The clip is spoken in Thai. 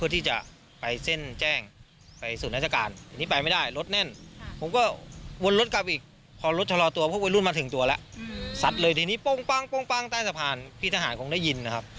ที่ศูนย์ราชการไปไม่ได้รถแน่นผมเขาบว่ารถกับอีกพอลดจะรอตัวพวกมันมาถึงตัวแล้วสัดเลยทีนี้ปองป้องป้องป้องใต้สะพานพี่ทหารคงได้ยิน